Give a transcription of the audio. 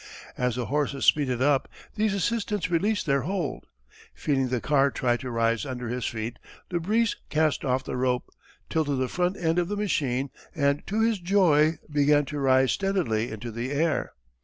As the horses speeded up these assistants released their hold. Feeling the car try to rise under his feet Le Bris cast off the rope, tilted the front end of the machine, and to his joy began to rise steadily into the air.